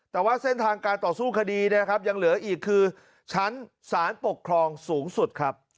แต่ว่าเส้นทางการต่อสู้คดีเนี่ยครับยังเหลืออีกคือชั้นสารปกครองสูงสุดครับ